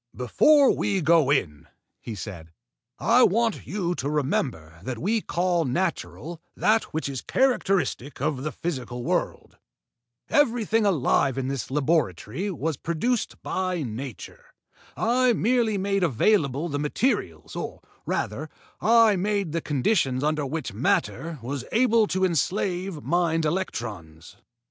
"Before we go in," he said, "I want you to remember that we call natural that which is characteristic of the physical world. Everything alive in this laboratory was produced by nature. I merely made available the materials, or, rather, I made the conditions under which matter was able to enslave mind electrons."